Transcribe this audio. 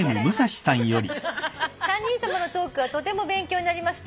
「三人さまのトークはとても勉強になります」